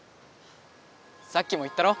さっきも言ったろ！